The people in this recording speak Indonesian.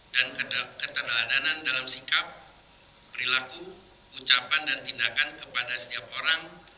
dan ketenangan dalam sikap perilaku ucapan dan tindakan kepada setiap orang